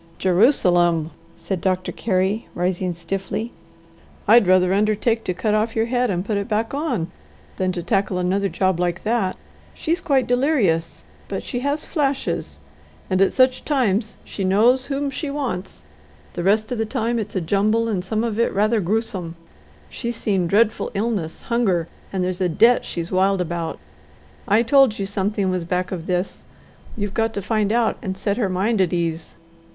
"Jerusalem!" said Doctor Carey, rising stiffly. "I'd rather undertake to cut off your head and put it back on than to tackle another job like that. She's quite delirious, but she has flashes, and at such times she knows whom she wants; the rest of the time it's a jumble and some of it is rather gruesome. She's seen dreadful illness, hunger, and there's a debt she's wild about. I told you something was back of this. You've got to find out and set her mind at ease."